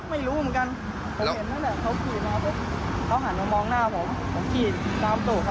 ไม่รู้เหมือนกัน